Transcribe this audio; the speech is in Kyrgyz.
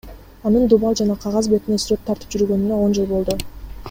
Анын дубал жана кагаз бетине сүрөт тартып жүргөнүнө он жыл болду.